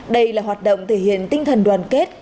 đây là hoạt động thể hiện tinh thần đoàn kết